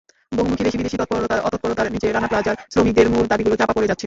বহুমুখী দেশি-বিদেশি তৎপরতা-অপতৎপরতার নিচে রানা প্লাজার শ্রমিকদের মূল দাবিগুলো চাপা পড়ে যাচ্ছে।